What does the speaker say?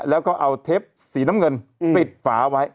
แล้วก็เอาเทปสีน้ำเงินปิดฝาไว้